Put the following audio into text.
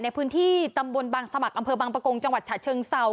ในพื้นที่ตำบลบางสมัครอำเภอบางประกงจังหวัดฉะเชิงเศร้า